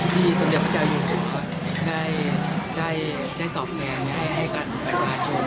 ที่โรงพยาบาลชายโยเดือนท่านได้ตอบแทนให้คุณประชาชน